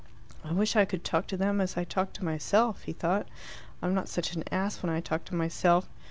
"I wish I could talk to them as I talk to myself," he thought. "I'm not such an ass when I talk to myself.